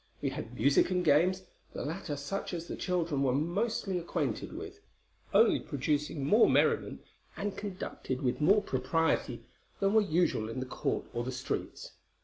We had music and games, the latter such as the children were mostly acquainted with, only producing more merriment and conducted with more propriety than were usual in the court or the streets.